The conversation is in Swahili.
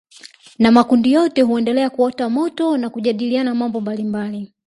Na makundi yote huendelea kuota moto na kujadiliana mambo mbalimbali